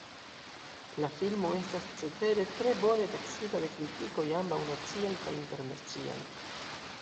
La filmo estas cetere tre bone taksita de kritikoj ambaŭ naciaj kaj internaciaj.